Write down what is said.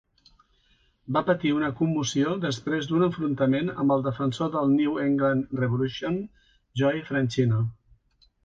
Va patir una commoció després d'un enfrontament amb el defensor del New England Revolution, Joey Franchino.